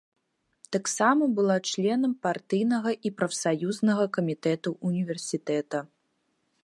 Таксама была членам партыйнага і прафсаюзнага камітэтаў універсітэта.